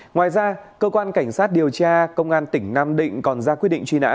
ngoài ra cơ quan cảnh sát điều tra công an tỉnh nam định còn ra quyết định truy nã